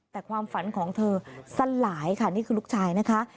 แต่ความฝันของเธอสลายค่ะนี่คือลูกชายนะคะ